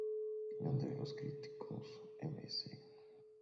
Entre los críticos, "Ms.